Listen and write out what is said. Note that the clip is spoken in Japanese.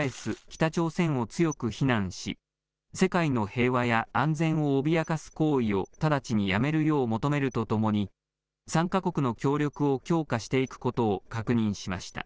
北朝鮮を強く非難し、世界の平和や安全を脅かす行為を直ちにやめるよう求めるとともに、３か国の協力を強化していくことを確認しました。